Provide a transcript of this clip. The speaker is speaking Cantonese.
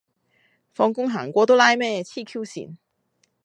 放工行過都拉咩，痴 Q 線